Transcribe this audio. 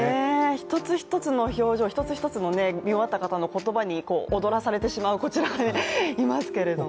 一つ一つの表情、見終わった方の言葉におどらされてしまうこちらがいますけれども。